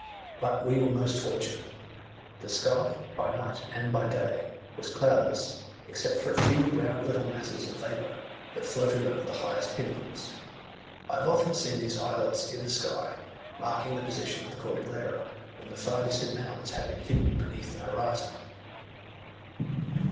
But we were most fortunate. The sky, by night and by day, was cloudless, excepting a few round little masses of vapour, that floated over the highest pinnacles. I have often seen these islets in the sky, marking the position of the Cordillera, when the far distant mountains have been hidden beneath the horizon.